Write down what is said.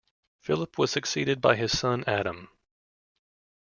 Philip was succeeded by his son Adam.